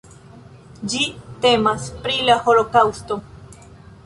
Ĝi temas pri la Holokaŭsto.